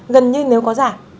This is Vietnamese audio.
gần như nếu có giảm